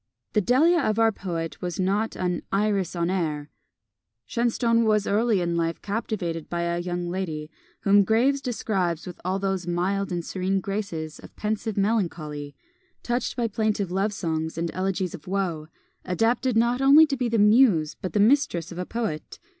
The Delia of our poet was not an "Iris en air." Shenstone was early in life captivated by a young lady, whom Graves describes with all those mild and serene graces of pensive melancholy, touched by plaintive love songs and elegies of woe, adapted not only to be the muse but the mistress of a poet.